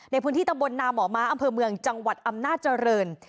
ในพื้นที่ตำบลนาหมอม้าอำเภอเมืองจังหวัดอำนาจริง